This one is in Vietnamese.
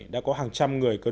đã có hàng trăm người